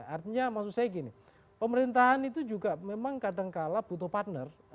artinya maksud saya gini pemerintahan itu juga memang kadangkala butuh partner